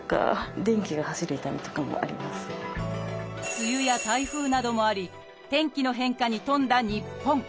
梅雨や台風などもあり天気の変化に富んだ日本。